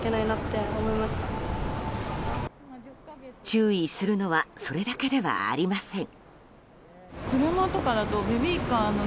注意するのはそれだけではありません。